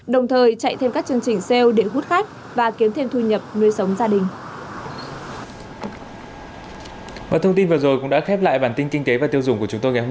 đồng thời chạy thêm các chương trình xeo điện hút khách và kiếm thêm thu nhập nuôi sống gia đình